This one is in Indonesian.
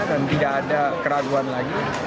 dan tidak ada keraguan lagi